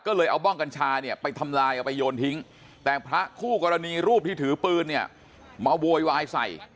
ก็เลยเอาบ้องกัญชาเนี่ยไปทำลายเอาไปโยนทิ้งแต่พระคู่กรณีรูปที่ถือปืนเนี่ยมาโวยวายใส่